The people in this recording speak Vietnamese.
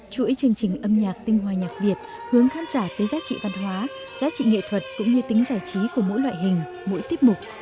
chuỗi chương trình âm nhạc tinh hoa nhạc việt hướng khán giả tới giá trị văn hóa giá trị nghệ thuật cũng như tính giải trí của mỗi loại hình mỗi tiết mục